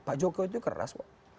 pak jokowi itu keras pak